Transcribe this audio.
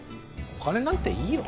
お金なんていいよ。